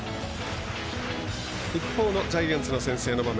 一方のジャイアンツの先制の場面。